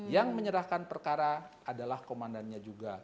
yang menyerahkan perkara adalah komandannya juga